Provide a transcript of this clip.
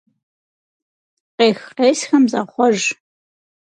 Къех-къесхэм захъуэж.